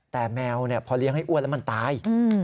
แต่แมวพอเลี้ยงให้อ้วนแล้วมันตาย